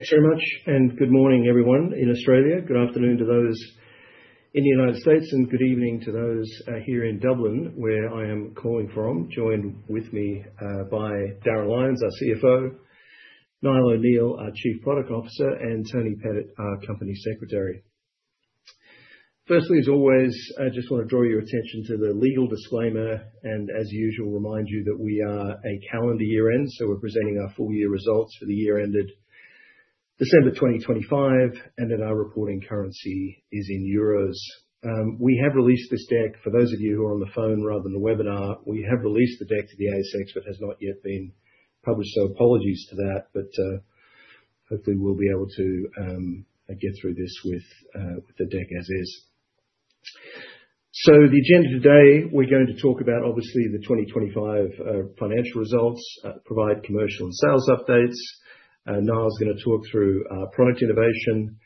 Thanks very much, and good morning everyone in Australia. Good afternoon to those in the United States, and good evening to those here in Dublin, where I am calling from. Joined with me by Darragh Lyons, our CFO, Niall O'Neill, our Chief Product Officer, and Toni Pettit, our Company Secretary. Firstly, as always, I just want to draw your attention to the legal disclaimer, and as usual, remind you that we are a calendar year-end, so we're presenting our full year results for the year ended December 2025, and that our reporting currency is in euros. We have released this deck. For those of you who are on the phone rather than the webinar, we have released the deck to the ASX, but has not yet been published, so apologies to that. But, hopefully we'll be able to get through this with the deck as is. So the agenda today, we're going to talk about, obviously, the 2025 financial results, provide commercial and sales updates, Niall's gonna talk through our product innovation.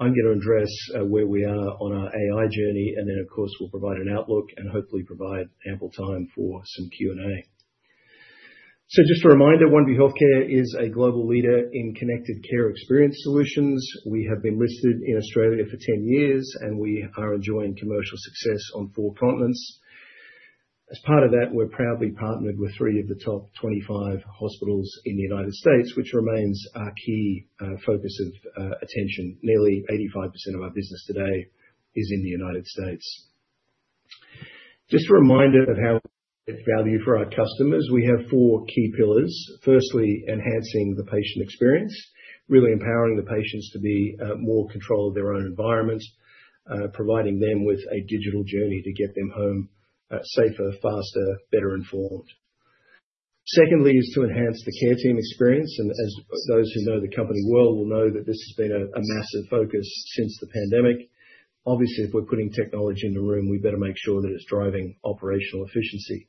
I'm gonna address where we are on our AI journey, and then, of course, we'll provide an outlook, and hopefully provide ample time for some Q&A. So just a reminder, Oneview Healthcare is a global leader in connected care experience solutions. We have been listed in Australia for 10 years, and we are enjoying commercial success on 4 continents. As part of that, we're proudly partnered with three of the top 25 hospitals in the United States, which remains our key focus of attention. Nearly 85% of our business today is in the United States. Just a reminder of how we create value for our customers. We have four key pillars. Firstly, enhancing the patient experience, really empowering the patients to be more in control of their own environment, providing them with a digital journey to get them home safer, faster, better informed. Secondly, is to enhance the care team experience, and as those who know the company well will know that this has been a massive focus since the pandemic. Obviously, if we're putting technology in the room, we better make sure that it's driving operational efficiency.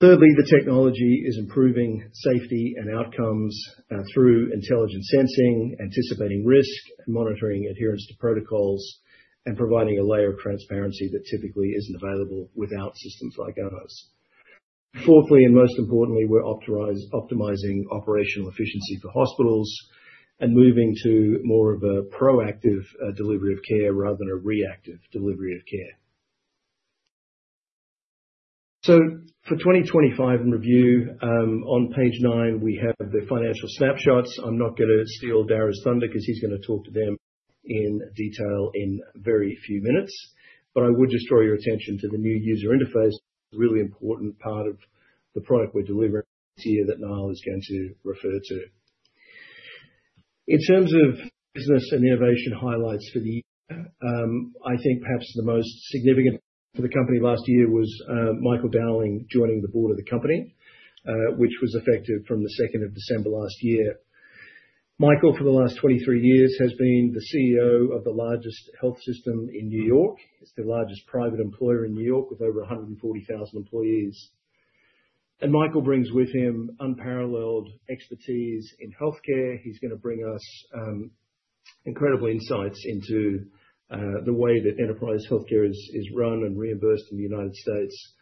Thirdly, the technology is improving safety and outcomes through intelligent sensing, anticipating risk, monitoring adherence to protocols, and providing a layer of transparency that typically isn't available without systems like ours. Fourthly, and most importantly, we're optimizing operational efficiency for hospitals and moving to more of a proactive, delivery of care rather than a reactive delivery of care. So for 2025 review, on page 9, we have the financial snapshots. I'm not gonna steal Darragh's thunder, 'cause he's gonna talk to them in detail in very few minutes. But I would just draw your attention to the new user interface, a really important part of the product we're delivering this year that Niall is going to refer to. In terms of business and innovation highlights for the year, I think perhaps the most significant for the company last year was, Michael Dowling joining the board of the company, which was effective from the second of December last year. Michael, for the last 23 years, has been the CEO of the largest health system in New York. It's the largest private employer in New York with over 140,000 employees. Michael brings with him unparalleled expertise in healthcare. He's gonna bring us incredible insights into the way that enterprise healthcare is run and reimbursed in the United States.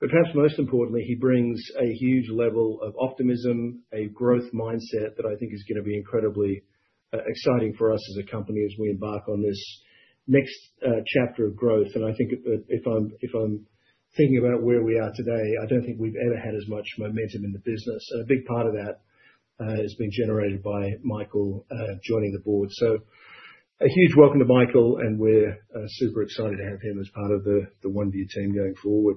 But perhaps most importantly, he brings a huge level of optimism, a growth mindset, that I think is gonna be incredibly exciting for us as a company, as we embark on this next chapter of growth. I think if I'm thinking about where we are today, I don't think we've ever had as much momentum in the business, and a big part of that is being generated by Michael joining the board. So a huge welcome to Michael, and we're super excited to have him as part of the Oneview team going forward.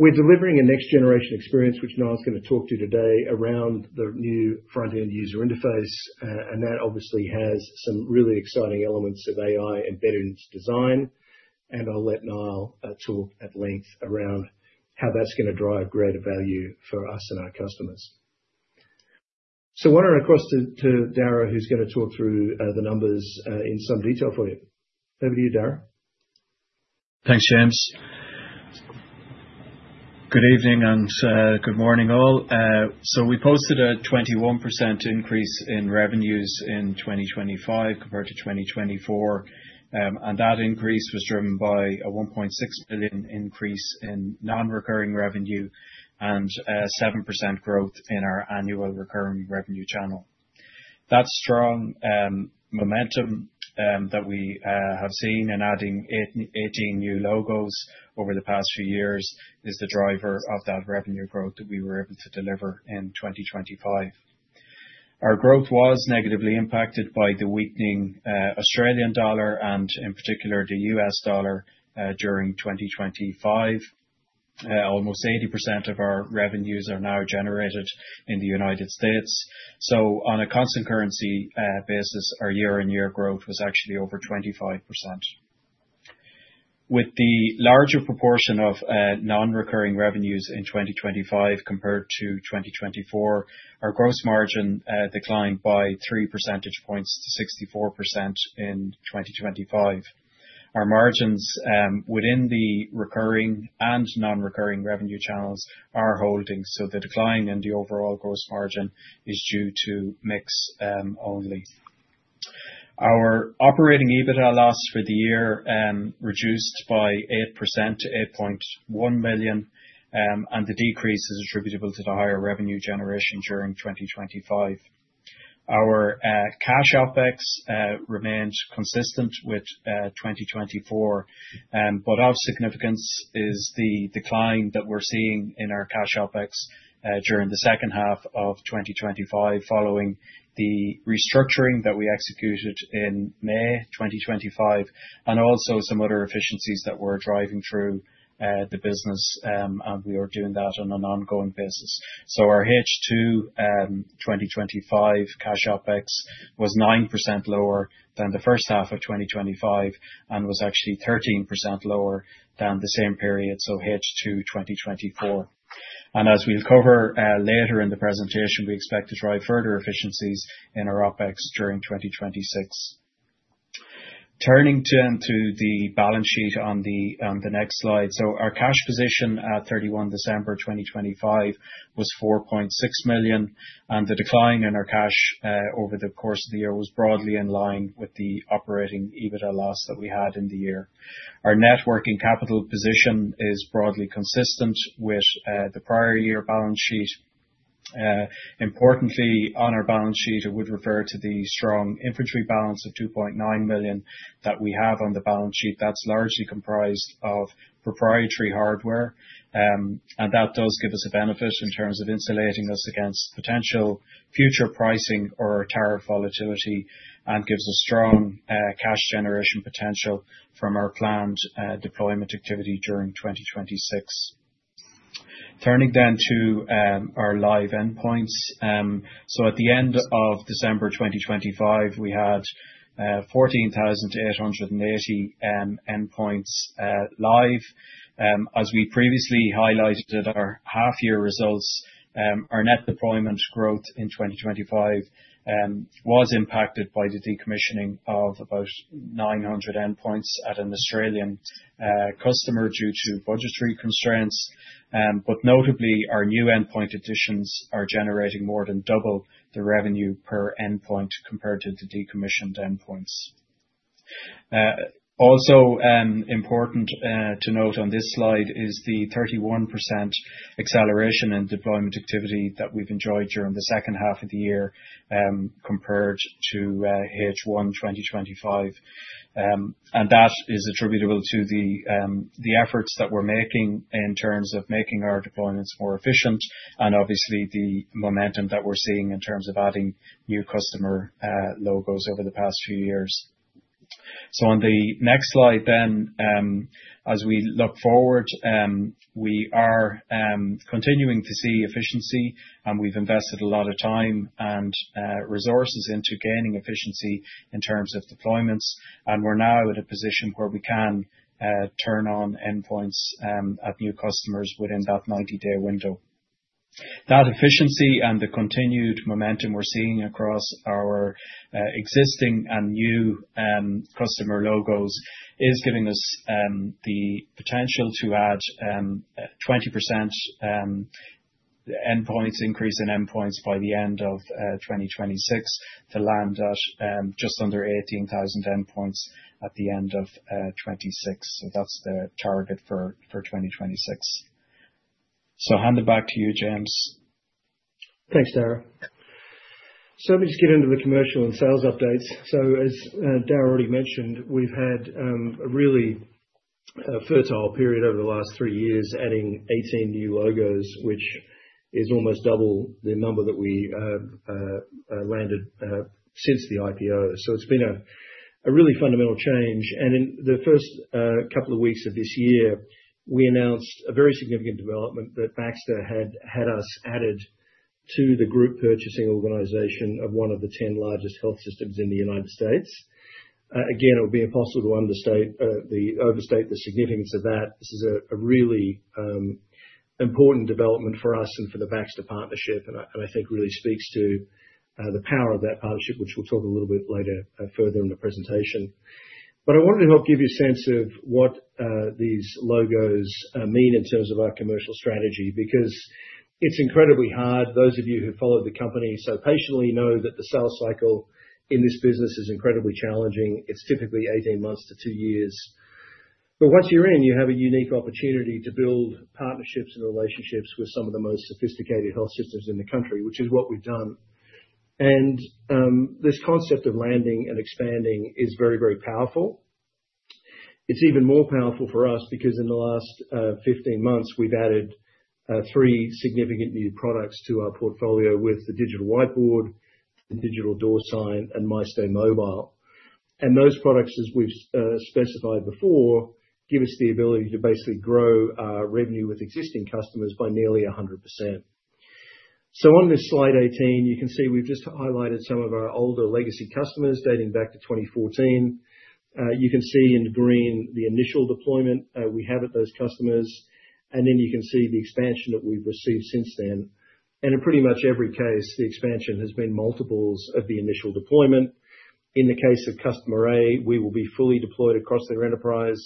We're delivering a next generation experience, which Niall's gonna talk to you today, around the new front-end user interface. And that obviously has some really exciting elements of AI embedded into design, and I'll let Niall talk at length around how that's gonna drive greater value for us and our customers. So I want to run across to Darragh, who's gonna talk through the numbers in some detail for you. Over to you, Darragh. Thanks, James. Good evening and good morning, all. So we posted a 21% increase in revenues in 2025 compared to 2024, and that increase was driven by a 1.6 billion increase in non-recurring revenue and 7% growth in our annual recurring revenue channel. That strong momentum that we have seen in adding 18 new logos over the past few years is the driver of that revenue growth that we were able to deliver in 2025. Our growth was negatively impacted by the weakening Australian dollar and in particular, the US dollar during 2025. Almost 80% of our revenues are now generated in the United States, so on a constant currency basis, our year-on-year growth was actually over 25%. With the larger proportion of non-recurring revenues in 2025 compared to 2024, our gross margin declined by 3 percentage points to 64% in 2025. Our margins within the recurring and non-recurring revenue channels are holding, so the decline in the overall gross margin is due to mix only. Our operating EBITDA loss for the year reduced by 8% to 8.1 million, and the decrease is attributable to the higher revenue generation during 2025. Our cash OpEx remained consistent with 2024. But of significance is the decline that we're seeing in our cash OpEx during the second half of 2025, following the restructuring that we executed in May 2025, and also some other efficiencies that we're driving through the business, and we are doing that on an ongoing basis. So our H2 2025 cash OpEx was 9% lower than the first half of 2025, and was actually 13% lower than the same period, so H2 2024. As we'll cover later in the presentation, we expect to drive further efficiencies in our OpEx during 2026. Turning then to the balance sheet on the next slide. So our cash position at 31 December 2025 was 4.6 million, and the decline in our cash over the course of the year was broadly in line with the operating EBITDA loss that we had in the year. Our net working capital position is broadly consistent with the prior year balance sheet. Importantly, on our balance sheet, I would refer to the strong inventory balance of 2.9 million that we have on the balance sheet. That's largely comprised of proprietary hardware, and that does give us a benefit in terms of insulating us against potential future pricing or tariff volatility, and gives us strong cash generation potential from our planned deployment activity during 2026. Turning then to our live endpoints. So at the end of December 2025, we had 14,800 endpoints live. As we previously highlighted at our half-year results, our net deployment growth in 2025 was impacted by the decommissioning of about 900 endpoints at an Australian customer due to budgetary constraints. But notably, our new endpoint additions are generating more than double the revenue per endpoint compared to the decommissioned endpoints. Also, important to note on this slide is the 31% acceleration in deployment activity that we've enjoyed during the second half of the year, compared to H1 2025. That is attributable to the efforts that we're making in terms of making our deployments more efficient, and obviously, the momentum that we're seeing in terms of adding new customer logos over the past few years. On the next slide, as we look forward, we are continuing to see efficiency, and we've invested a lot of time and resources into gaining efficiency in terms of deployments, and we're now at a position where we can turn on endpoints at new customers within that 90-day window. That efficiency and the continued momentum we're seeing across our existing and new customer logos is giving us the potential to add 20% endpoints increase in endpoints by the end of 2026, to land at just under 18,000 endpoints at the end of 2026. So that's the target for 2026. So I'll hand it back to you, James. Thanks, Darragh. So let me just get into the commercial and sales updates. So as, Darragh already mentioned, we've had a really fertile period over the last three years, adding 18 new logos, which is almost double the number that we landed since the IPO. So it's been a really fundamental change. And in the first couple of weeks of this year, we announced a very significant development that Baxter had us added to the group purchasing organization of one of the 10 largest health systems in the United States. Again, it would be impossible to understate overstate the significance of that. This is a really important development for us and for the Baxter partnership, and I think really speaks to the power of that partnership, which we'll talk a little bit later further in the presentation. But I wanted to help give you a sense of what these logos mean in terms of our commercial strategy, because it's incredibly hard. Those of you who followed the company so patiently know that the sales cycle in this business is incredibly challenging. It's typically 18 months to two years. But once you're in, you have a unique opportunity to build partnerships and relationships with some of the most sophisticated health systems in the country, which is what we've done. And this concept of landing and expanding is very, very powerful. It's even more powerful for us because in the last 15 months, we've added three significant new products to our portfolio with the Digital Whiteboard, the Digital Door Sign, and MyStay Mobile. Those products, as we've specified before, give us the ability to basically grow our revenue with existing customers by nearly 100%. On this slide 18, you can see we've just highlighted some of our older legacy customers dating back to 2014. You can see in green the initial deployment we have at those customers, and then you can see the expansion that we've received since then. In pretty much every case, the expansion has been multiples of the initial deployment. In the case of customer A, we will be fully deployed across their enterprise.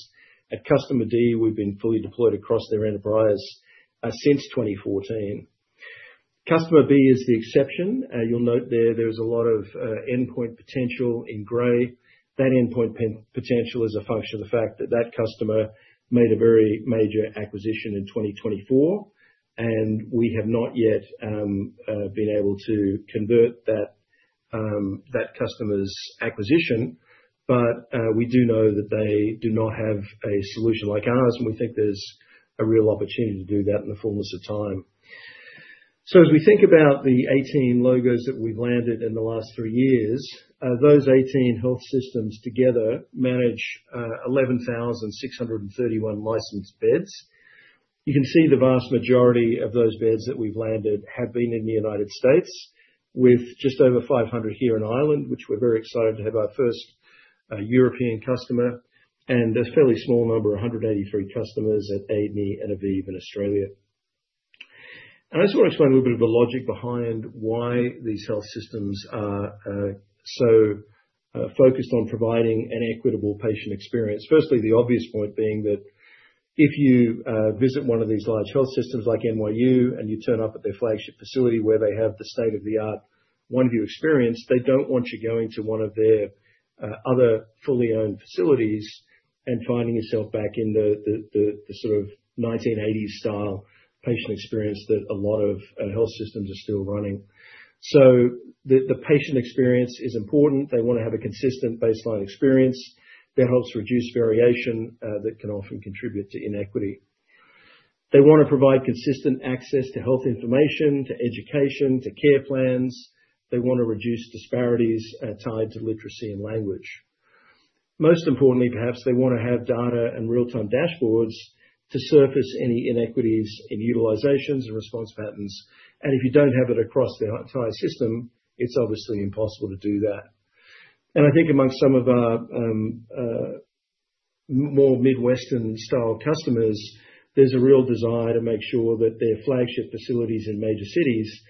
At Customer D, we've been fully deployed across their enterprise since 2014. Customer B is the exception. You'll note there, there's a lot of Endpoint potential in gray. That Endpoint potential is a function of the fact that that customer made a very major acquisition in 2024, and we have not yet been able to convert that customer's acquisition. But we do know that they do not have a solution like ours, and we think there's a real opportunity to do that in the fullness of time. So as we think about the 18 logos that we've landed in the last three years, those 18 health systems together manage 11,631 licensed beds. You can see the vast majority of those beds that we've landed have been in the United States, with just over 500 here in Ireland, which we're very excited to have our first European customer, and a fairly small number, 183 customers, at Eden and Avive in Australia. I just wanna explain a little bit of the logic behind why these health systems are so focused on providing an equitable patient experience. Firstly, the obvious point being that if you visit one of these large health systems, like NYU, and you turn up at their flagship facility where they have the state-of-the-art Oneview experience, they don't want you going to one of their other fully owned facilities and finding yourself back in the sort of 1980s style patient experience that a lot of health systems are still running. So the patient experience is important. They want to have a consistent baseline experience that helps reduce variation that can often contribute to inequity. They want to provide consistent access to health information, to education, to care plans. They want to reduce disparities tied to literacy and language. Most importantly, perhaps, they want to have data and real-time dashboards to surface any inequities in utilizations and response patterns, and if you don't have it across the entire system, it's obviously impossible to do that. And I think amongst some of our more Midwestern-style customers, there's a real desire to make sure that their flagship facilities in major cities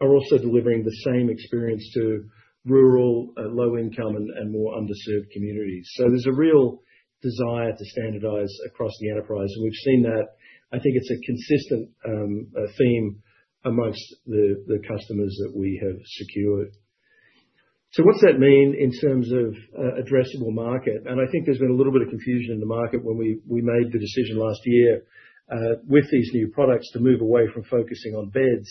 are also delivering the same experience to rural low-income and more underserved communities. So there's a real desire to standardize across the enterprise, and we've seen that. I think it's a consistent theme amongst the customers that we have secured. So what's that mean in terms of addressable market? I think there's been a little bit of confusion in the market when we made the decision last year with these new products to move away from focusing on beds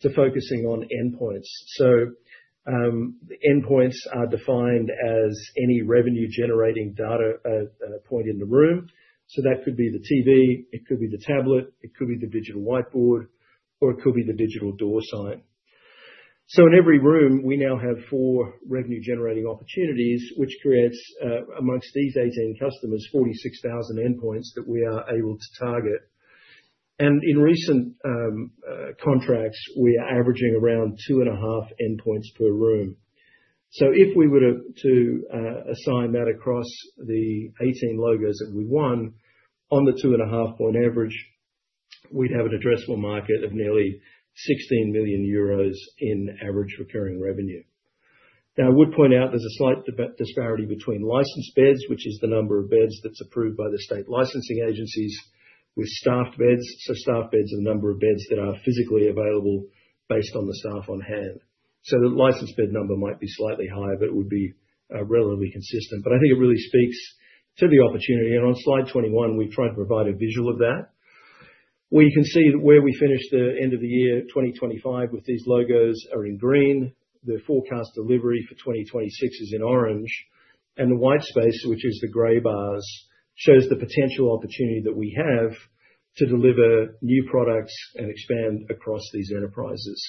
to focusing on endpoints. Endpoints are defined as any revenue-generating data point in the room. That could be the TV, it could be the tablet, it could be the Digital Whiteboard, or it could be the Digital Door Sign. In every room, we now have 4 revenue-generating opportunities, which creates amongst these 18 customers 46,000 endpoints that we are able to target. In recent contracts, we are averaging around 2.5 endpoints per room. So if we were to assign that across the 18 logos that we won, on the 2.5-point average, we'd have an addressable market of nearly 16 million euros in average recurring revenue. Now, I would point out there's a slight disparity between licensed beds, which is the number of beds that's approved by the state licensing agencies, with staffed beds. So staffed beds are the number of beds that are physically available based on the staff on hand. So the licensed bed number might be slightly higher, but it would be relatively consistent. But I think it really speaks to the opportunity, and on slide 21, we've tried to provide a visual of that, where you can see that where we finished the end of the year 2025 with these logos are in green, the forecast delivery for 2026 is in orange, and the white space, which is the gray bars, shows the potential opportunity that we have to deliver new products and expand across these enterprises.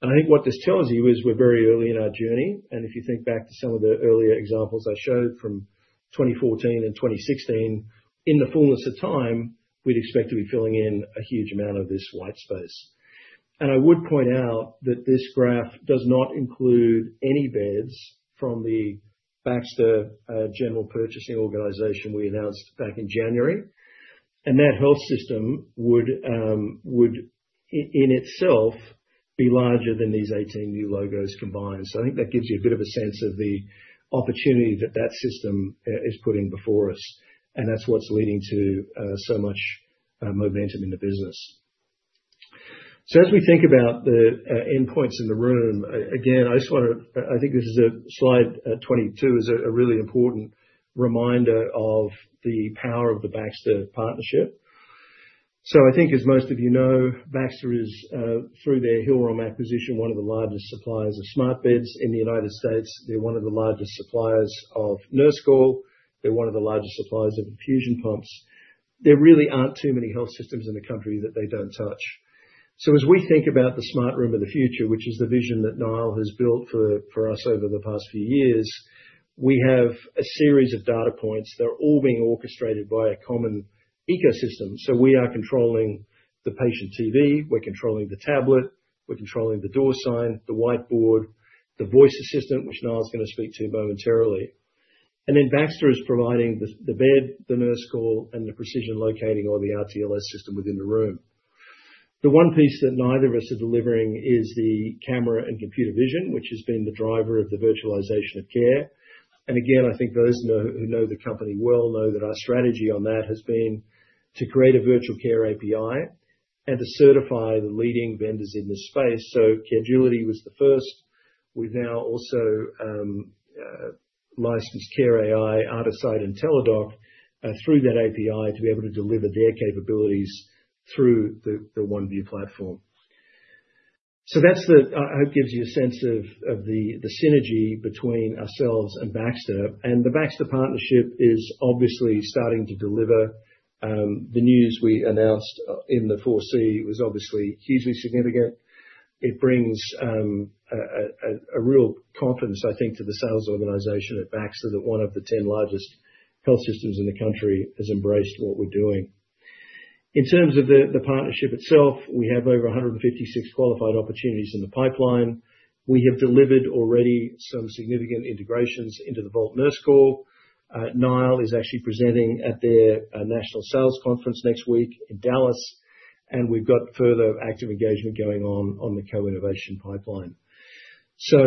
And I think what this tells you is we're very early in our journey. And if you think back to some of the earlier examples I showed from 2014 and 2016, in the fullness of time, we'd expect to be filling in a huge amount of this white space. And I would point out that this graph does not include any beds from the Baxter group purchasing organization we announced back in January. And that health system would in itself be larger than these 18 new logos combined. So I think that gives you a bit of a sense of the opportunity that that system is putting before us, and that's what's leading to so much momentum in the business. So as we think about the endpoints in the room, again, I just wanna. I think this is slide 22 is a really important reminder of the power of the Baxter partnership. So I think, as most of you know, Baxter is through their Hillrom acquisition, one of the largest suppliers of smart beds in the United States. They're one of the largest suppliers of nurse call. They're one of the largest suppliers of infusion pumps. There really aren't too many health systems in the country that they don't touch. So as we think about the smart room of the future, which is the vision that Niall has built for us over the past few years, we have a series of data points that are all being orchestrated by a common ecosystem. So we are controlling the patient TV, we're controlling the tablet, we're controlling the door sign, the whiteboard, the voice assistant, which Niall's gonna speak to momentarily. And then Baxter is providing the bed, the nurse call, and the precision locating or the RTLS system within the room. The one piece that neither of us are delivering is the camera and computer vision, which has been the driver of the virtualization of care. Again, I think those who know the company well know that our strategy on that has been to create a virtual care API... and to certify the leading vendors in this space. So Caregility was the first. We've now also licensed care.ai, Artisight, and Teladoc through that API to be able to deliver their capabilities through the Oneview platform. So that gives you a sense of the synergy between ourselves and Baxter. And the Baxter partnership is obviously starting to deliver. The news we announced in the 4Q was obviously hugely significant. It brings a real confidence, I think, to the sales organization at Baxter, that one of the 10 largest health systems in the country has embraced what we're doing. In terms of the partnership itself, we have over 156 qualified opportunities in the pipeline. We have delivered already some significant integrations into the Voalte nurse call. Niall is actually presenting at their national sales conference next week in Dallas, and we've got further active engagement going on, on the co-innovation pipeline. So,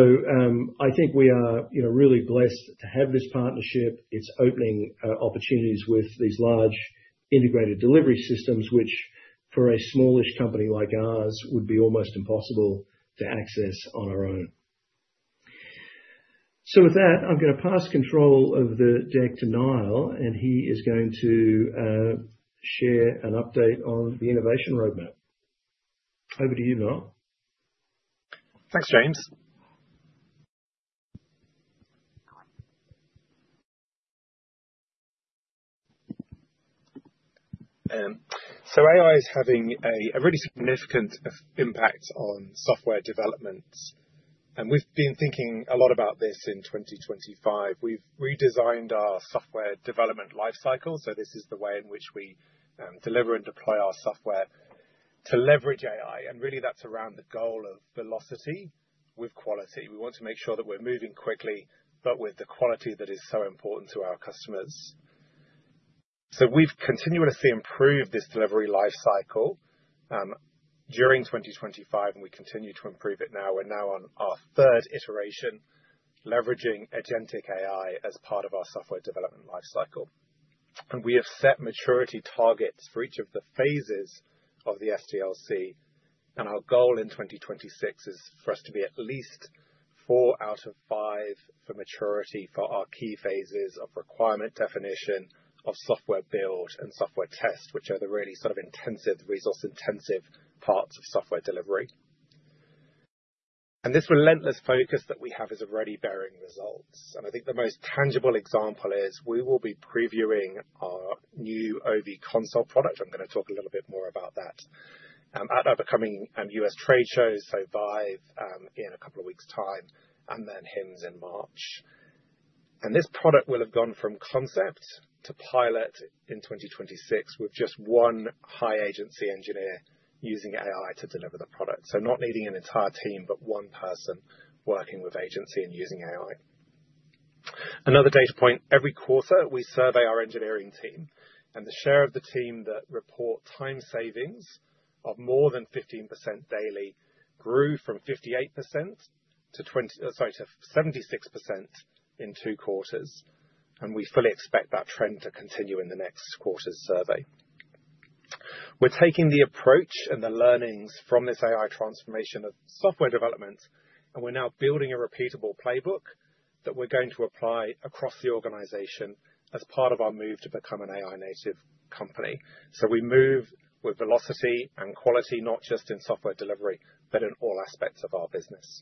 I think we are, you know, really blessed to have this partnership. It's opening opportunities with these large integrated delivery systems, which, for a smallish company like ours, would be almost impossible to access on our own. So with that, I'm gonna pass control of the deck to Niall, and he is going to share an update on the innovation roadmap. Over to you, Niall. Thanks, James. So AI is having a really significant impact on software development, and we've been thinking a lot about this in 2025. We've redesigned our software development life cycle, so this is the way in which we deliver and deploy our software to leverage AI, and really, that's around the goal of velocity with quality. We want to make sure that we're moving quickly, but with the quality that is so important to our customers. So we've continuously improved this delivery life cycle during 2025, and we continue to improve it now. We're now on our third iteration, leveraging agentic AI as part of our software development life cycle. We have set maturity targets for each of the phases of the SDLC, and our goal in 2026 is for us to be at least four out of five for maturity for our key phases of requirement definition, of software build, and software test, which are the really sort of intensive, resource-intensive parts of software delivery. This relentless focus that we have is already bearing results, and I think the most tangible example is we will be previewing our new Ovie Console product. I'm gonna talk a little bit more about that at our upcoming U.S. trade shows, so ViVE in a couple of weeks' time, and then HIMSS in March. This product will have gone from concept to pilot in 2026 with just one high agency engineer using AI to deliver the product. So not needing an entire team, but one person working with agency and using AI. Another data point, every quarter, we survey our engineering team, and the share of the team that report time savings of more than 15% daily grew from 58% to 20, sorry, to 76% in two quarters, and we fully expect that trend to continue in the next quarter's survey. We're taking the approach and the learnings from this AI transformation of software development, and we're now building a repeatable playbook that we're going to apply across the organization as part of our move to become an AI-native company. So we move with velocity and quality, not just in software delivery, but in all aspects of our business.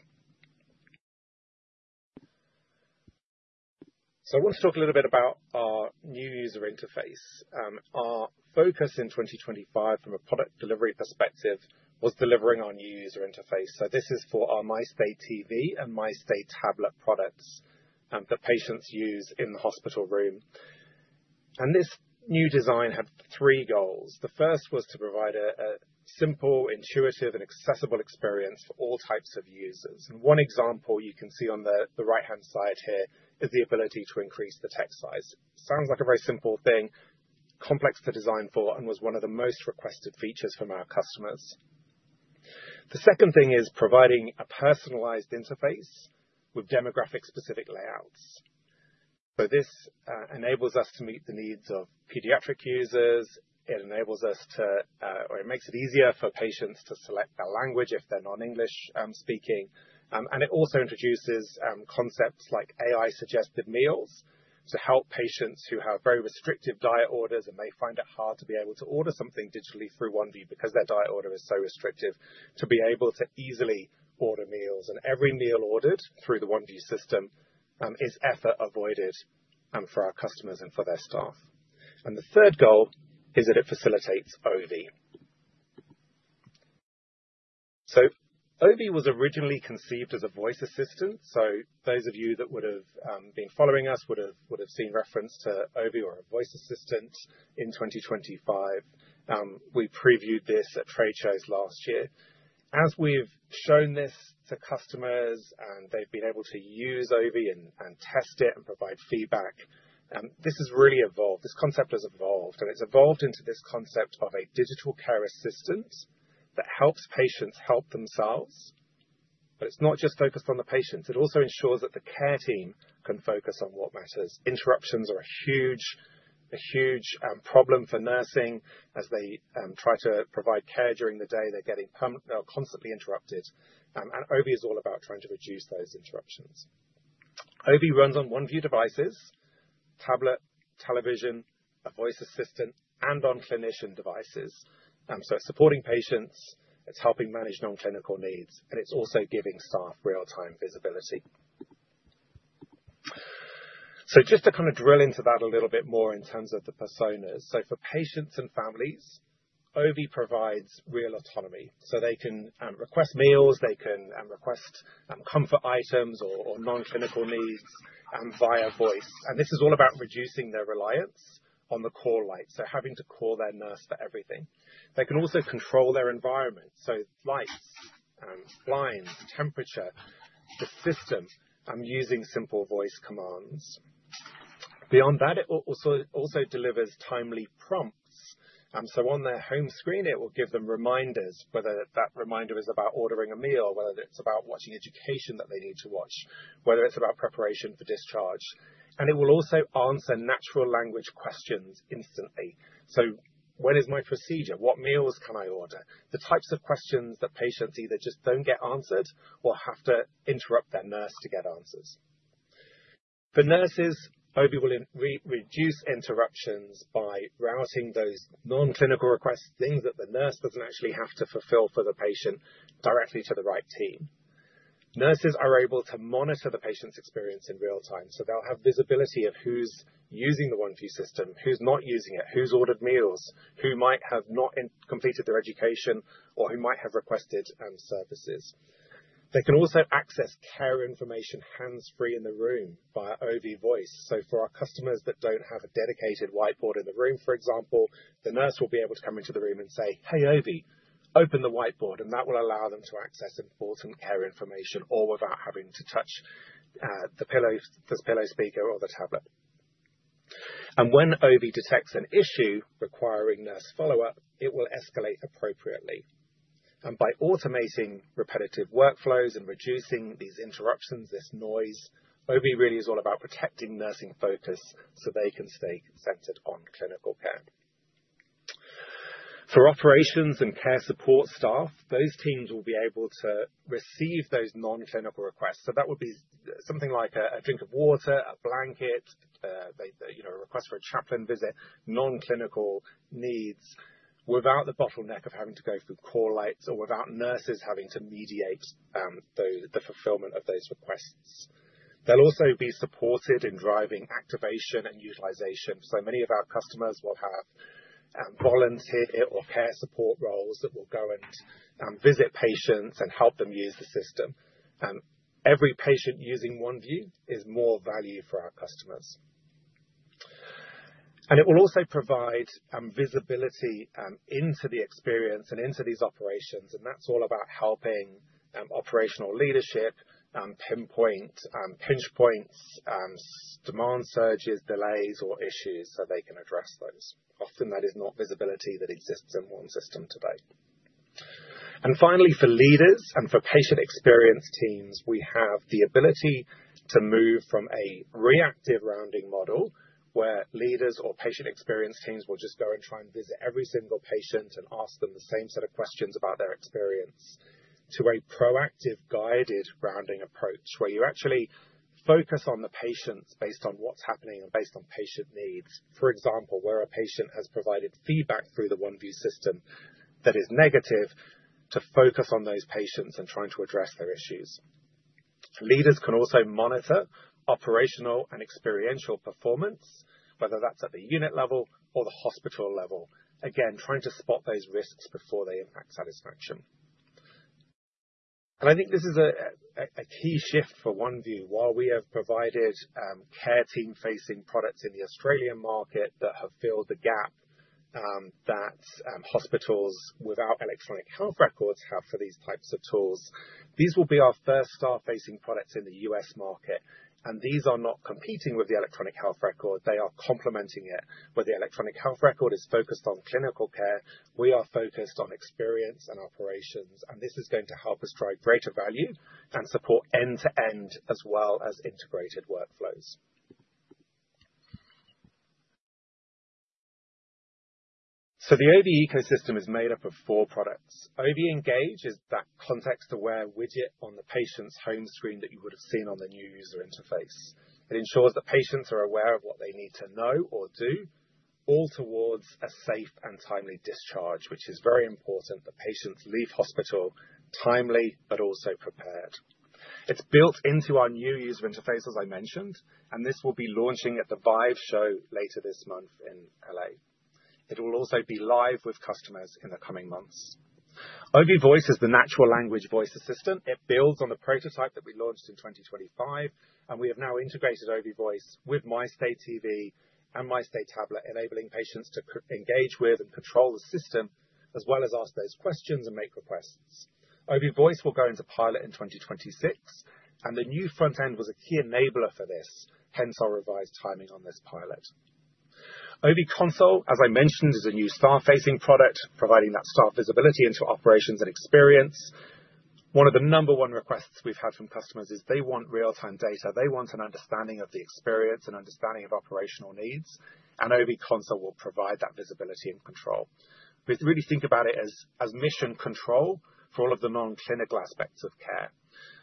So I want to talk a little bit about our new user interface. Our focus in 2025, from a product delivery perspective, was delivering our new user interface. This is for our MyStay TV and MyStay Tablet products that patients use in the hospital room. This new design had three goals. The first was to provide a simple, intuitive, and accessible experience for all types of users. One example you can see on the right-hand side here is the ability to increase the text size. Sounds like a very simple thing, complex to design for, and was one of the most requested features from our customers. The second thing is providing a personalized interface with demographic-specific layouts. This enables us to meet the needs of pediatric users. It enables us to or it makes it easier for patients to select their language if they're non-English speaking. It also introduces concepts like AI-suggested meals to help patients who have very restrictive diet orders and may find it hard to be able to order something digitally through Oneview because their diet order is so restrictive, to be able to easily order meals. Every meal ordered through the Oneview system is effort avoided for our customers and for their staff. The third goal is that it facilitates Ovie. Ovie was originally conceived as a voice assistant, so those of you that would have been following us would have seen reference to Ovie or a voice assistant in 2025. We previewed this at trade shows last year. As we've shown this to customers, and they've been able to use Ovie and test it and provide feedback, this has really evolved. This concept has evolved, and it's evolved into this concept of a digital care assistant that helps patients help themselves. But it's not just focused on the patients, it also ensures that the care team can focus on what matters. Interruptions are a huge, a huge problem for nursing as they try to provide care during the day. They are constantly interrupted, and Ovie is all about trying to reduce those interruptions. Ovie runs on Oneview devices, tablet, television, a voice assistant, and on clinician devices. So it's supporting patients, it's helping manage non-clinical needs, and it's also giving staff real-time visibility. So just to kind of drill into that a little bit more in terms of the personas. So for patients and families, Ovie provides real autonomy, so they can request meals, they can request comfort items or non-clinical needs via voice. And this is all about reducing their reliance on the call light, so having to call their nurse for everything. They can also control their environment, so lights, blinds, temperature, the system using simple voice commands. Beyond that, it also delivers timely prompts. So on their home screen, it will give them reminders, whether that reminder is about ordering a meal, whether it's about watching education that they need to watch, whether it's about preparation for discharge, and it will also answer natural language questions instantly. So what is my procedure? What meals can I order? The types of questions that patients either just don't get answered or have to interrupt their nurse to get answers. For nurses, Ovie will reduce interruptions by routing those non-clinical requests, things that the nurse doesn't actually have to fulfill for the patient, directly to the right team. Nurses are able to monitor the patient's experience in real time, so they'll have visibility of who's using the Oneview system, who's not using it, who's ordered meals, who might have not completed their education, or who might have requested services. They can also access care information hands-free in the room via Ovie Voice. So for our customers that don't have a dedicated whiteboard in the room, for example, the nurse will be able to come into the room and say, "Hey, Ovie, open the whiteboard," and that will allow them to access important care information, all without having to touch the pillow, this pillow speaker or the tablet. And when Ovie detects an issue requiring nurse follow-up, it will escalate appropriately. And by automating repetitive workflows and reducing these interruptions, this noise, Ovie really is all about protecting nursing focus so they can stay centered on clinical care. For operations and care support staff, those teams will be able to receive those non-clinical requests. So that would be something like a drink of water, a blanket, you know, a request for a chaplain visit, non-clinical needs, without the bottleneck of having to go through call lights or without nurses having to mediate the fulfillment of those requests. They'll also be supported in driving activation and utilization. So many of our customers will have volunteered or care support roles that will go and visit patients and help them use the system, and every patient using Oneview is more value for our customers. And it will also provide visibility into the experience and into these operations, and that's all about helping operational leadership pinpoint pinch points, demand surges, delays, or issues, so they can address those. Often that is not visibility that exists in one system today. And finally, for leaders and for patient experience teams, we have the ability to move from a reactive rounding model, where leaders or patient experience teams will just go and try and visit every single patient and ask them the same set of questions about their experience, to a proactive, guided rounding approach, where you actually focus on the patients based on what's happening and based on patient needs. For example, where a patient has provided feedback through the Oneview system that is negative, to focus on those patients and trying to address their issues. Leaders can also monitor operational and experiential performance, whether that's at the unit level or the hospital level. Again, trying to spot those risks before they impact satisfaction. And I think this is a key shift for Oneview. While we have provided care team-facing products in the Australian market that have filled the gap, hospitals without electronic health records have for these types of tools, these will be our first staff-facing products in the U.S. market, and these are not competing with the electronic health record, they are complementing it. Where the electronic health record is focused on clinical care, we are focused on experience and operations, and this is going to help us drive greater value and support end-to-end, as well as integrated workflows. So the Ovie ecosystem is made up of four products. Ovie Engage is that context-aware widget on the patient's home screen that you would have seen on the new user interface. It ensures that patients are aware of what they need to know or do, all towards a safe and timely discharge, which is very important that patients leave hospital timely but also prepared. It's built into our new user interface, as I mentioned, and this will be launching at the ViVE show later this month in L.A. It will also be live with customers in the coming months. Ovie Voice is the natural language voice assistant. It builds on the prototype that we launched in 2025, and we have now integrated Ovie Voice with MyStay TV and MyStay Tablet, enabling patients to engage with and control the system, as well as ask those questions and make requests. Ovie Voice will go into pilot in 2026, and the new front end was a key enabler for this, hence our revised timing on this pilot. Ovie Console, as I mentioned, is a new staff-facing product, providing that staff visibility into operations and experience. One of the number one requests we've had from customers is they want real-time data. They want an understanding of the experience and understanding of operational needs, and Ovie Console will provide that visibility and control. We really think about it as, as mission control for all of the non-clinical aspects of care.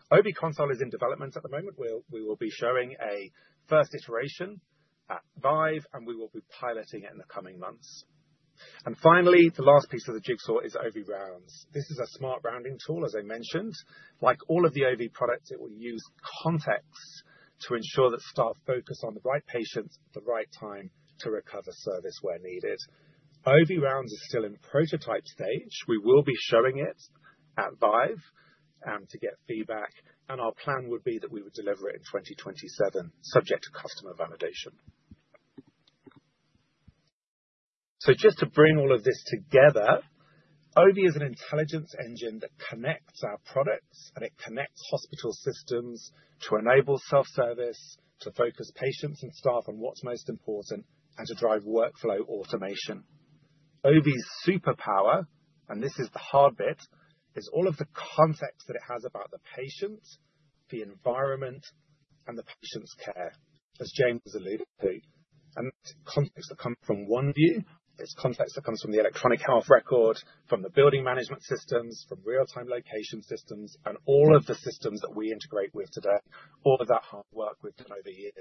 Ovie Console is in development at the moment. We will be showing a first iteration at ViVE, and we will be piloting it in the coming months. Finally, the last piece of the jigsaw is Ovie Rounds. This is a smart rounding tool, as I mentioned. Like all of the Ovie products, it will use context to ensure that staff focus on the right patients at the right time to recover service where needed. Ovie Rounds is still in prototype stage. We will be showing it at ViVE to get feedback, and our plan would be that we would deliver it in 2027, subject to customer validation. So just to bring all of this together, Ovie is an intelligence engine that connects our products, and it connects hospital systems to enable self-service, to focus patients and staff on what's most important, and to drive workflow automation. Ovie's superpower, and this is the hard bit, is all of the context that it has about the patient, the environment, and the patient's care, as James alluded to. And it's context that come from Oneview. It's context that comes from the electronic health record, from the building management systems, from real-time location systems, and all of the systems that we integrate with today. All of that hard work we've done over years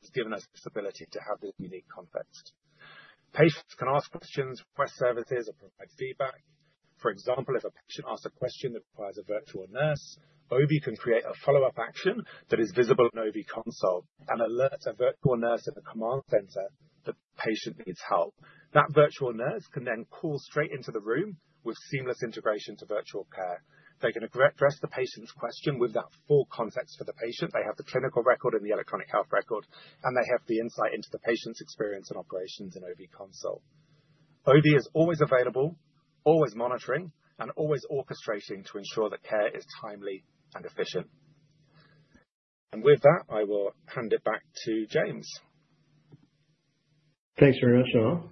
has given us this ability to have this unique context. Patients can ask questions, request services, or provide feedback. For example, if a patient asks a question that requires a virtual nurse, Ovie can create a follow-up action that is visible in Ovie Console and alerts a virtual nurse at the command center the patient needs help. That virtual nurse can then call straight into the room with seamless integration to virtual care. They're gonna address the patient's question with that full context for the patient. They have the clinical record and the electronic health record, and they have the insight into the patient's experience and operations in Ovie Console. Ovie is always available, always monitoring, and always orchestrating to ensure that care is timely and efficient. And with that, I will hand it back to James. Thanks very much, Niall.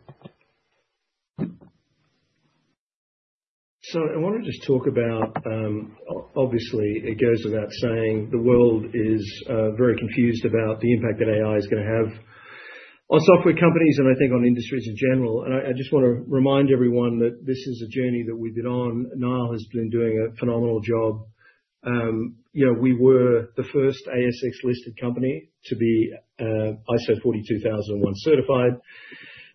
So I want to just talk about obviously, it goes without saying, the world is very confused about the impact that AI is gonna have on software companies and I think on industries in general. I just want to remind everyone that this is a journey that we've been on. Niall has been doing a phenomenal job. You know, we were the first ASX-listed company to be ISO 42001 certified,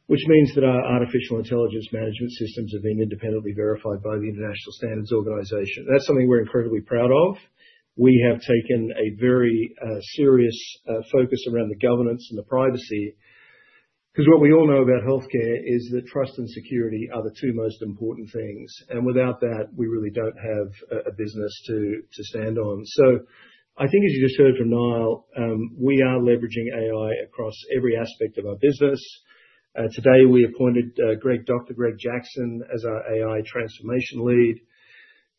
which means that our artificial intelligence management systems have been independently verified by the International Standards Organization. That's something we're incredibly proud of. We have taken a very serious focus around the governance and the privacy, because what we all know about healthcare is that trust and security are the two most important things, and without that, we really don't have a business to stand on. So I think, as you just heard from Niall, we are leveraging AI across every aspect of our business. Today, we appointed Greg, Dr. Greg Jackson, as our AI transformation lead.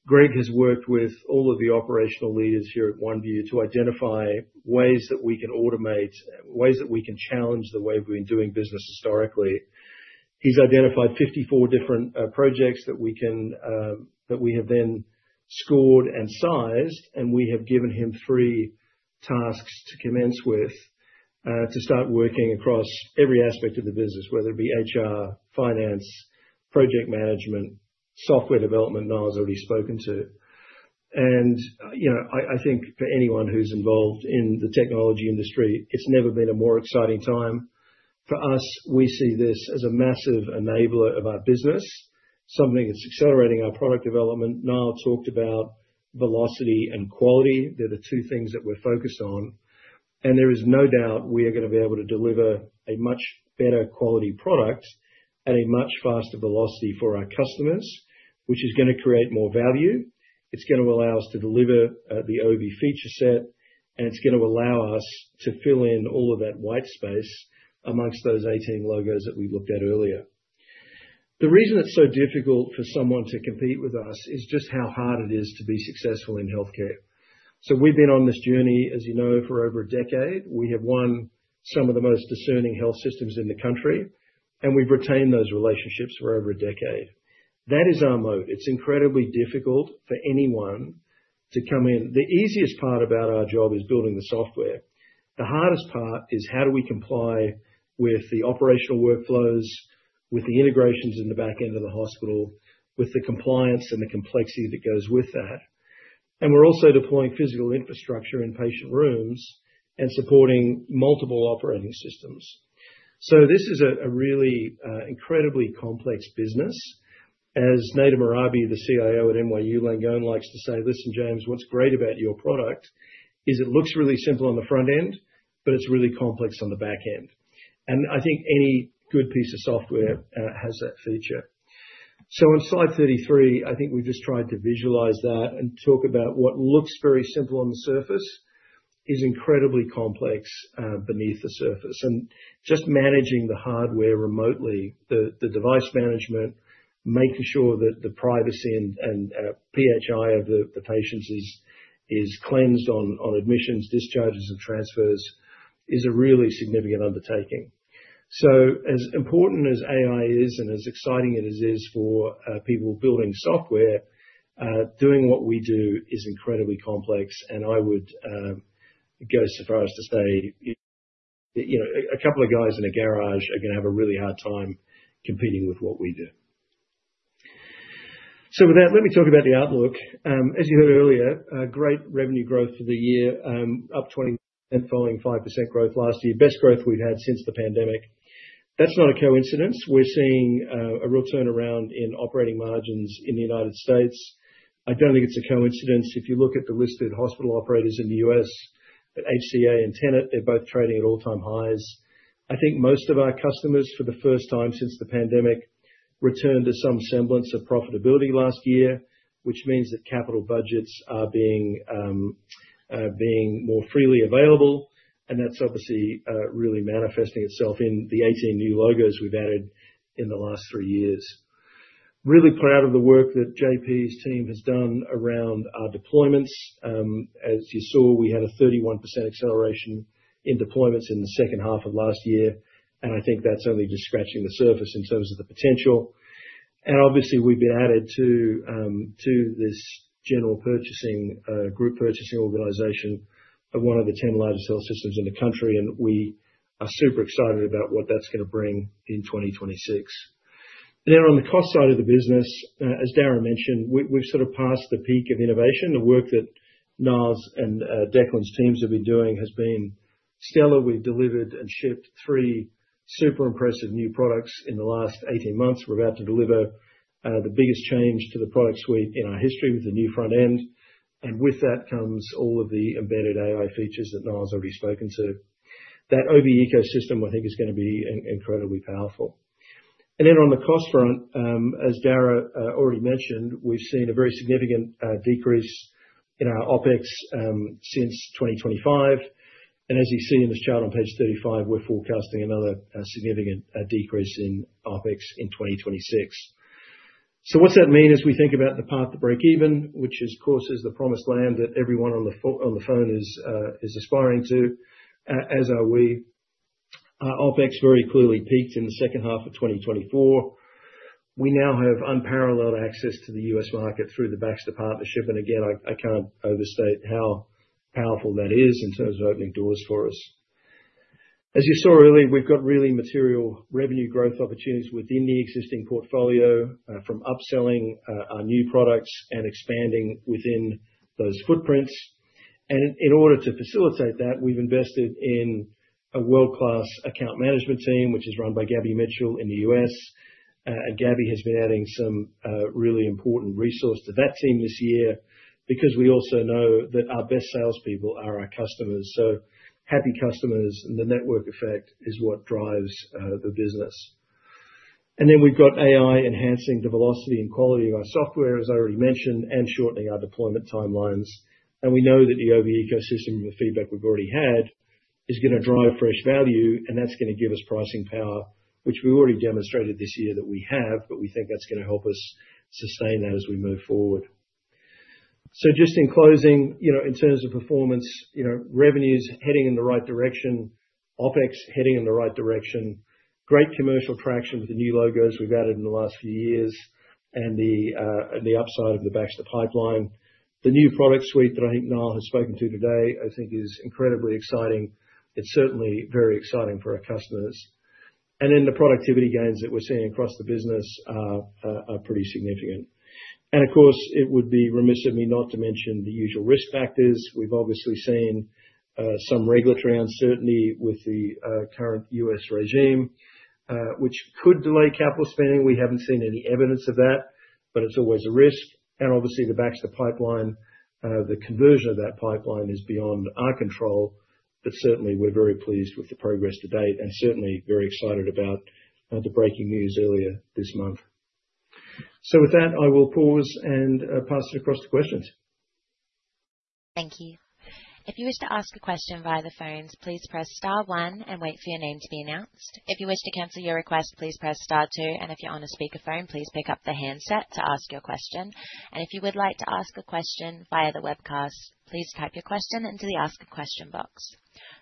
Greg has worked with all of the operational leaders here at Oneview to identify ways that we can automate, ways that we can challenge the way we've been doing business historically. He's identified 54 different projects that we have then scored and sized, and we have given him three tasks to commence with to start working across every aspect of the business, whether it be HR, finance, project management, software development. Niall has already spoken to. You know, I think for anyone who's involved in the technology industry, it's never been a more exciting time. For us, we see this as a massive enabler of our business, something that's accelerating our product development. Niall talked about velocity and quality. They're the two things that we're focused on, and there is no doubt we are gonna be able to deliver a much better quality product at a much faster velocity for our customers, which is gonna create more value. It's gonna allow us to deliver the Ovie feature set, and it's gonna allow us to fill in all of that white space amongst those 18 logos that we looked at earlier. The reason it's so difficult for someone to compete with us is just how hard it is to be successful in healthcare. So we've been on this journey, as you know, for over a decade. We have won some of the most discerning health systems in the country, and we've retained those relationships for over a decade. That is our moat. It's incredibly difficult for anyone to come in. The easiest part about our job is building the software. The hardest part is how do we comply with the operational workflows, with the integrations in the back end of the hospital, with the compliance and the complexity that goes with that. We're also deploying physical infrastructure in patient rooms and supporting multiple operating systems. So this is a really incredibly complex business. As Nader Mherabi, the CIO at NYU Langone, likes to say, "Listen, James, what's great about your product is it looks really simple on the front end, but it's really complex on the back end." And I think any good piece of software has that feature. So on slide 33, I think we've just tried to visualize that and talk about what looks very simple on the surface is incredibly complex beneath the surface. And just managing the hardware remotely, the device management, making sure that the privacy and PHI of the patients is cleansed on admissions, discharges, and transfers, is a really significant undertaking. So as important as AI is, and as exciting it is for people building software, doing what we do is incredibly complex, and I would go so far as to say, you know, a couple of guys in a garage are gonna have a really hard time competing with what we do. So with that, let me talk about the outlook. As you heard earlier, a great revenue growth for the year, up 20%, following 5% growth last year. Best growth we've had since the pandemic. That's not a coincidence. We're seeing a real turnaround in operating margins in the United States. I don't think it's a coincidence, if you look at the listed hospital operators in the U.S., at HCA and Tenet, they're both trading at all-time highs. I think most of our customers, for the first time since the pandemic, returned to some semblance of profitability last year, which means that capital budgets are being more freely available. That's obviously really manifesting itself in the 18 new logos we've added in the last three years. Really proud of the work that JP's team has done around our deployments. As you saw, we had a 31% acceleration in deployments in the second half of last year, and I think that's only just scratching the surface in terms of the potential. Obviously, we've been added to this group purchasing organization of one of the 10 largest health systems in the country, and we are super excited about what that's gonna bring in 2026. Now, on the cost side of the business, as Darragh mentioned, we've sort of passed the peak of innovation. The work that Niall and Declan's teams have been doing has been stellar. We've delivered and shipped 3 super impressive new products in the last 18 months. We're about to deliver the biggest change to the product suite in our history, with the new front end, and with that comes all of the embedded AI features that Niall has already spoken to. That Ovie ecosystem, I think, is gonna be incredibly powerful. And then on the cost front, as Darragh already mentioned, we've seen a very significant decrease in our OpEx since 2025. And as you see in this chart on page 35, we're forecasting another significant decrease in OpEx in 2026. So what's that mean as we think about the path to breakeven, which of course is the promised land that everyone on the phone is aspiring to, as are we? OpEx very clearly peaked in the second half of 2024. We now have unparalleled access to the U.S. market through the Baxter partnership, and again, I can't overstate how powerful that is in terms of opening doors for us. As you saw earlier, we've got really material revenue growth opportunities within the existing portfolio from upselling our new products and expanding within those footprints. In order to facilitate that, we've invested in a world-class account management team, which is run by Gaby Mitchell in the U.S. Gabby has been adding some really important resource to that team this year, because we also know that our best salespeople are our customers. So happy customers and the network effect is what drives the business. And then we've got AI enhancing the velocity and quality of our software, as I already mentioned, and shortening our deployment timelines. And we know that the Ovie ecosystem and the feedback we've already had is gonna drive fresh value, and that's gonna give us pricing power, which we've already demonstrated this year that we have, but we think that's gonna help us sustain that as we move forward. So just in closing, you know, in terms of performance, you know, revenue's heading in the right direction, OpEx heading in the right direction, great commercial traction with the new logos we've added in the last few years, and the upside of the Baxter pipeline. The new product suite that I think Niall has spoken to today, I think is incredibly exciting. It's certainly very exciting for our customers. And then the productivity gains that we're seeing across the business are pretty significant. And of course, it would be remiss of me not to mention the usual risk factors. We've obviously seen some regulatory uncertainty with the current U.S. regime, which could delay capital spending. We haven't seen any evidence of that, but it's always a risk. And obviously, the Baxter pipeline, the conversion of that pipeline is beyond our control. Certainly, we're very pleased with the progress to date, and certainly very excited about the breaking news earlier this month. With that, I will pause and pass it across to questions. Thank you. If you wish to ask a question via the phones, please press star one and wait for your name to be announced. If you wish to cancel your request, please press star two, and if you're on a speakerphone, please pick up the handset to ask your question. And if you would like to ask a question via the webcast, please type your question into the Ask a Question box.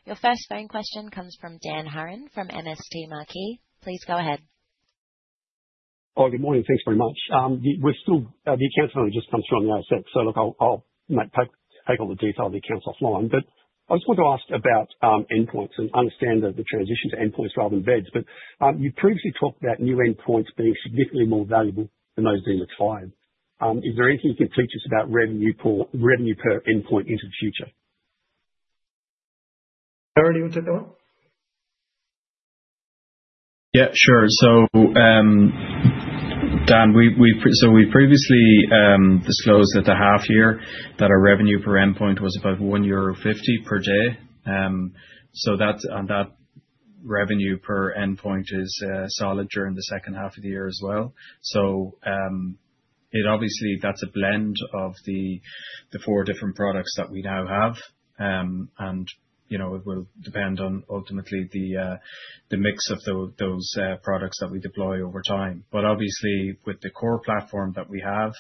Your first phone question comes from Dan Hurren from MST Marquee. Please go ahead. Oh, good morning. Thanks very much. The accounts only just come from the asset. So look, I'll take all the detail of the accounts offline. But I just wanted to ask about endpoints and understand that the transition to endpoints rather than beds. But you previously talked about new endpoints being significantly more valuable than those being acquired. Is there anything you can teach us about revenue per endpoint into the future? Darragh, do you want to take that one? Yeah, sure. So, Dan, so we previously disclosed at the half year that our revenue per endpoint was about 1.50 euro per day. So that's revenue per endpoint is solid during the second half of the year as well. So, it obviously, that's a blend of the four different products that we now have. And, you know, it will depend on ultimately the mix of those products that we deploy over time. But obviously, with the core platform that we have,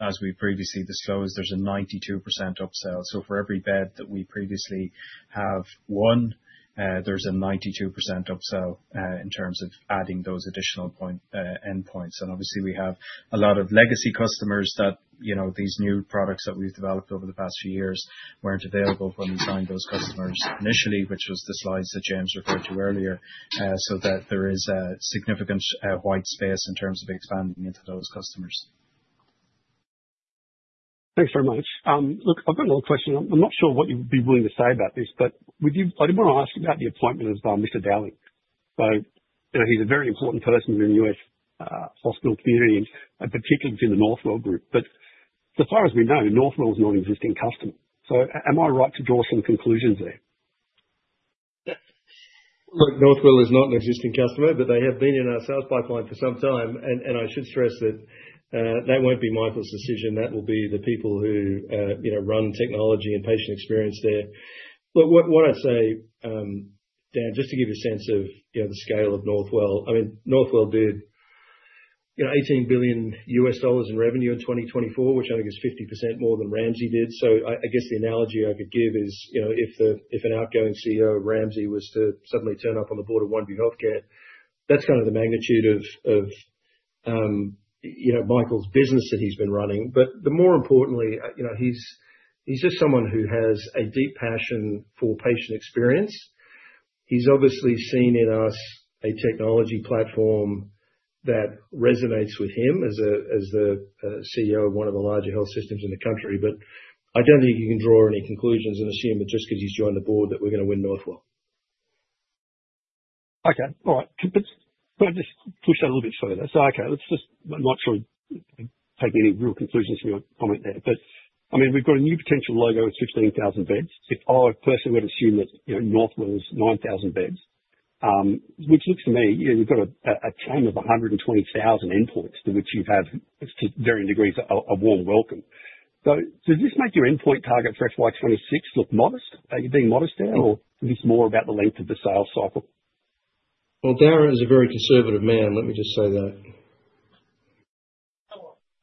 as we previously disclosed, there's a 92% upsell. So for every bed that we previously have won, there's a 92% upsell in terms of adding those additional points endpoints. And obviously we have a lot of legacy customers that, you know, these new products that we've developed over the past few years weren't available when we signed those customers initially, which was the slides that James referred to earlier. So that there is a significant white space in terms of expanding into those customers. Thanks very much. Look, I've got another question. I'm not sure what you'd be willing to say about this, but I did want to ask about the appointment of Mr. Dowling. So, you know, he's a very important person in the U.S. hospital community, and particularly within the Northwell group. But so far as we know, Northwell is not an existing customer. So am I right to draw some conclusions there? Look, Northwell is not an existing customer, but they have been in our sales pipeline for some time. And I should stress that that won't be Michael's decision. That will be the people who, you know, run technology and patient experience there. But what I'd say, Dan, just to give you a sense of, you know, the scale of Northwell. I mean, Northwell did, you know, $18 billion in revenue in 2024, which I think is 50% more than Ramsay did. So I guess the analogy I could give is, you know, if an outgoing CEO of Ramsay was to suddenly turn up on the board of Oneview Healthcare, that's kind of the magnitude of, you know, Michael's business that he's been running. But the more importantly, you know, he's just someone who has a deep passion for patient experience. He's obviously seen in us a technology platform that resonates with him as the CEO of one of the larger health systems in the country. But I don't think you can draw any conclusions and assume that just because he's joined the board, that we're gonna win Northwell. Okay. All right. Let's, can I just push that a little bit further? So, okay, let's just, I'm not sure take any real conclusions from your comment there. But, I mean, we've got a new potential logo with 16,000 beds. If I personally would assume that, you know, Northwell is 9,000 beds, which looks to me, you've got a chain of 120,000 endpoints to which you have, to varying degrees, a warm welcome. So does this make your endpoint target for FY 2026 look modest? Are you being modest now, or is this more about the length of the sales cycle? Well, Darragh is a very conservative man, let me just say that.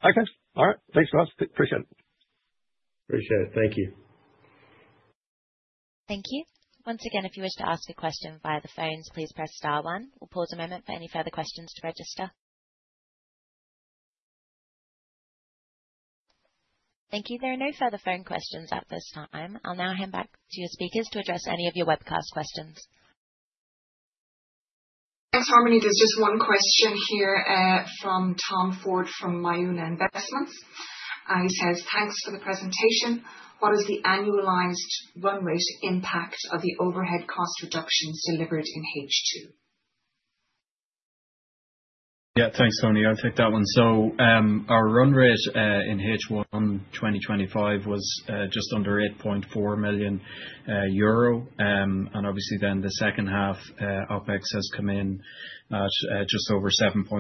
Okay. All right. Thanks very much. Appreciate it. Appreciate it. Thank you. Thank you. Once again, if you wish to ask a question via the phones, please press star one. We'll pause a moment for any further questions to register. Thank you. There are no further phone questions at this time. I'll now hand back to your speakers to address any of your webcast questions. Thanks, Harmony. There's just one question here from Tom Ford from Myuna Investments. He says, "Thanks for the presentation. What is the annualized run rate impact of the overhead cost reductions delivered in H2? Yeah. Thanks, Toni. I'll take that one. So, our run rate in H1 2025 was just under 8.4 million euro. And obviously then the second half, OpEx has come in at just over 7.63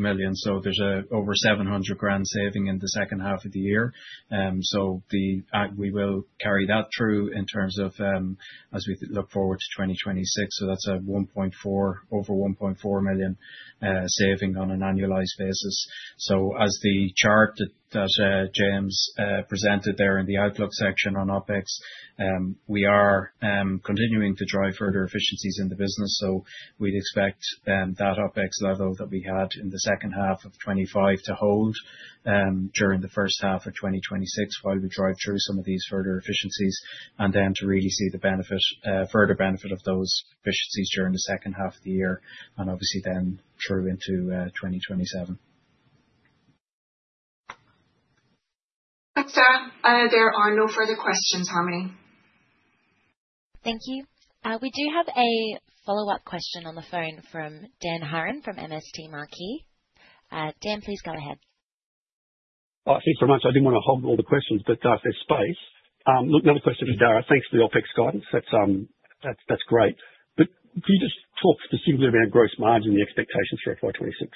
million. So there's over 700,000 saving in the second half of the year. So we will carry that through in terms of, as we look forward to 2026. So that's over 1.4 million saving on an annualized basis. So as the chart that James presented there in the outlook section on OpEx, we are continuing to drive further efficiencies in the business. So we'd expect that OpEx level that we had in the second half of 2025 to hold during the first half of 2026, while we drive through some of these further efficiencies. And then to really see the benefit, further benefit of those efficiencies during the second half of the year, and obviously then through into 2027. Thanks, Darragh. There are no further questions, Harmony. Thank you. We do have a follow-up question on the phone from Dan Hurren, from MST Marquee. Dan, please go ahead. Oh, thanks so much. I didn't want to hog all the questions, but if there's space. Look, another question for Darragh. Thanks for the OpEx guidance. That's, that's, that's great. But could you just talk specifically about gross margin, the expectations for FY 2026? Yeah,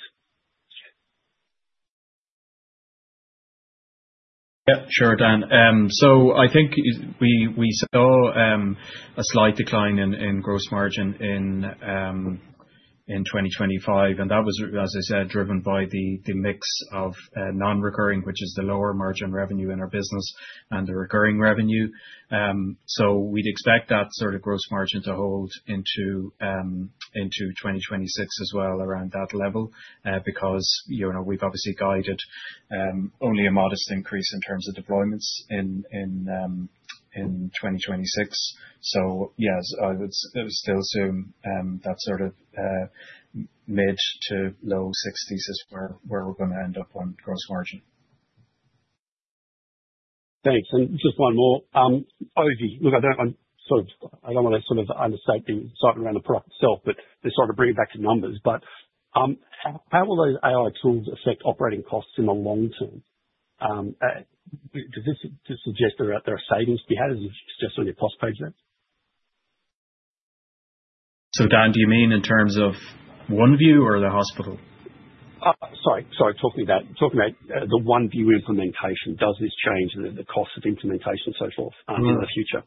sure, Dan. So I think we saw a slight decline in gross margin in 2025, and that was, as I said, driven by the mix of non-recurring, which is the lower margin revenue in our business and the recurring revenue. So we'd expect that sort of gross margin to hold into 2026 as well, around that level, because, you know, we've obviously guided only a modest increase in terms of deployments in 2026. So yes, I would still assume that sort of mid- to low-60s is where we're gonna end up on gross margin. Thanks. And just one more. Obviously, look, I'm sort of, I don't want to sort of understate the excitement around the product itself, but just sort of bring it back to numbers. But, how will those AI tools affect operating costs in the long term? Does this just suggest that there are savings to be had, as you suggest on your cost page there? Dan, do you mean in terms of Oneview or the hospital? Sorry, sorry. Talking about the Oneview implementation. Does this change the cost of implementation, so forth, in the future?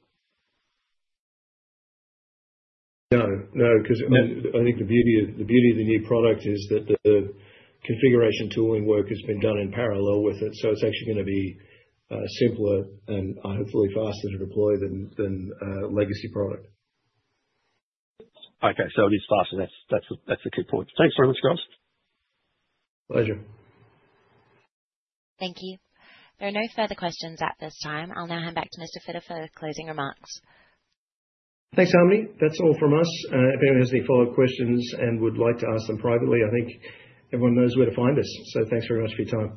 No, no, because I, I think the beauty, the beauty of the new product is that the configuration tooling work has been done in parallel with it, so it's actually gonna be, simpler and hopefully faster to deploy than, than, legacy product. Okay. So it is faster. That's the key point. Thanks very much, guys. Pleasure. Thank you. There are no further questions at this time. I'll now hand back to Mr. Fitter for the closing remarks. Thanks, Harmony. That's all from us. If anyone has any follow-up questions and would like to ask them privately, I think everyone knows where to find us. Thanks very much for your time.